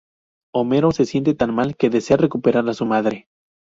Homero se siente tan mal que desea recuperar a su madre.